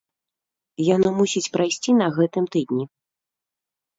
Яно мусіць прайсці на гэтым тыдні.